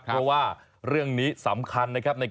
เพราะว่าเรื่องนี้สำคัญนะครับ